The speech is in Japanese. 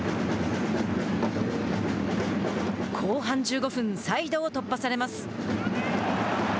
後半１５分サイドを突破されます。